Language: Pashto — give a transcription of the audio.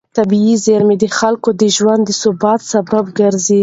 طبیعي زېرمې د خلکو د ژوند د ثبات سبب ګرځي.